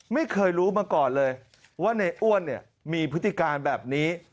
ไม่เคยรู้มาก่อนเลยว่าในอ้วนเนี่ยมีพฤติการแบบนี้